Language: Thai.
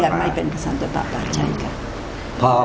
ยังไม่เป็นพระสันตะปะปะใช่ค่ะ